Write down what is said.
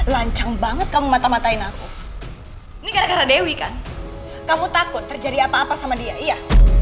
lanceng banget kamu mata matain aku nih karena dewi kan kamu takut terjadi apa apa sama dia iya